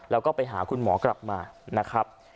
แล้วก็ไปหาคุณหมอกลับมานะครับ